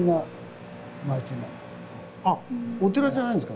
あっお寺じゃないんですか。